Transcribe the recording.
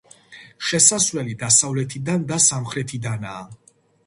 შესასვლელი დასავლეთიდან და სამხრეთიდანაა.